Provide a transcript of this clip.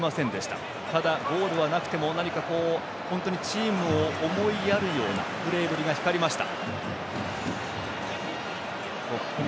ただゴールはなくてもチームを思いやるようなプレーぶりが光りました。